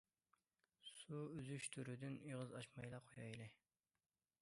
سۇ ئۈزۈش تۈرىدىن ئېغىز ئاچمايلا قويايلى.